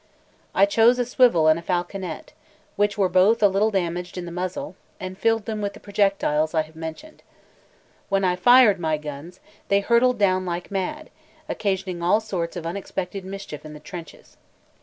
I chose a swivel and a falconet, which were both a little damaged in the muzzle, and filled them with the projectiles I have mentioned. When I fired my guns, they hurtled down like mad, occasioning all sorts of unexpected mischief in the trenches.